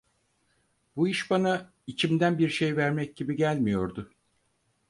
Bu iş bana, içimden bir şey vermek gibi gelmiyordu.